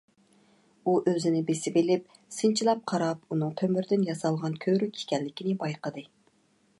ئۇ ئۆزىنى بېسىۋېلىپ، سىنچىلاپ قاراپ، ئۇنىڭ تۆمۈردىن ياسالغان كۆۋرۈك ئىكەنلىكىنى بايقىدى.